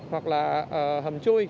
hoặc là hầm trôi